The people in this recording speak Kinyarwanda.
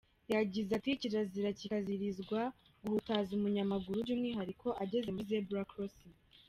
Yagize “Kirazira kiraziririzwa guhutaza umunyamaguru by’umwihariko ageze muri zebra crossing.